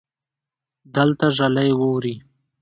دلته ژلۍ ووري